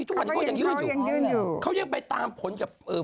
ทุกวันที่เขายังยื่นอยู่เขายังยื่นอยู่เขายังไปตามผลกับเออ